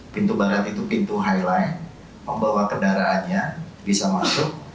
pintu barat itu pintu highlight membawa kendaraannya bisa masuk